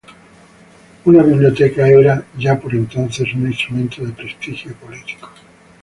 Una biblioteca era, ya por entonces, un instrumento de prestigio político.